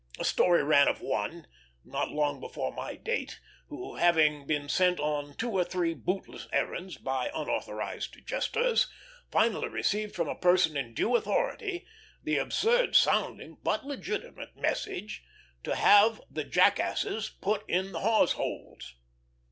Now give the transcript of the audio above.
A story ran of one, not long before my "date," who, having been sent on two or three bootless errands by unauthorized jesters, finally received from a person in due authority the absurd sounding, but legitimate, message to have the jackasses put in the hawse holes.